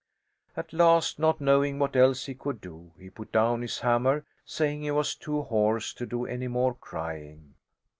At last, not knowing what else he could do, he put down his hammer saying he was too hoarse to do any more crying.